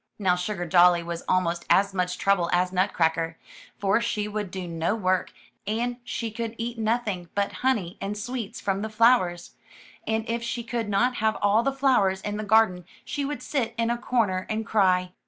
Now SugardoUy was almost as much trouble as Nutcracker, for she would do no work, and she could eat nothing but honey and sweets from the flowers; and if she could not have all the flowers in the garden she would sit in a corner and cry.